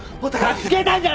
助けたんじゃない！